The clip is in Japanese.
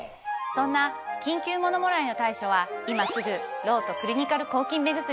そんな緊急ものもらいの対処は今すぐロートクリニカル抗菌目薬。